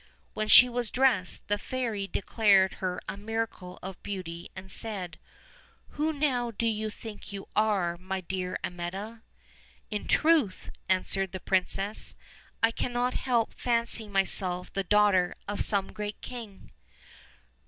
When she was dressed the fairy declared her a miracle of beauty, and said: "Who now do you think you are, my dear Amietta?" "In truth," answered the princess, "I cannot help fancying myself the daughter of some great king."